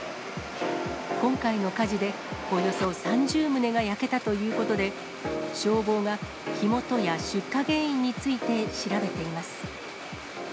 今回の火事でおよそ３０棟が焼けたということで、消防が火元や出火原因について調べています。